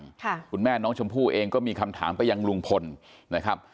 ค่ะคุณแม่น้องชมพู่เองก็มีคำถามไปยังลุงพลนะครับ